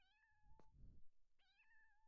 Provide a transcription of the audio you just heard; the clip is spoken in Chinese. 骰宝是庄家永远处于有利位置的赌博游戏。